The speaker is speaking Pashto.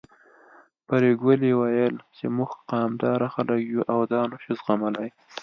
پري ګلې ويل چې موږ قامداره خلک يو او دا نه شو زغملی